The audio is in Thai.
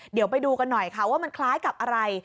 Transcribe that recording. เดี๋ยวไปดูกันหน่อยค่ะว่ามันคล้ายกับอะไร